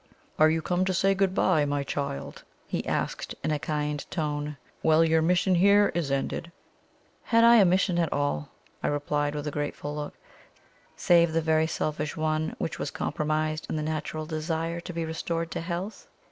"Are you come to say 'Good bye,' my child?" he asked, in a kind tone. "Well, your mission here is ended!" "Had I any mission at all," I replied, with a grateful look, "save the very selfish one which was comprised in the natural desire to be restored to health?"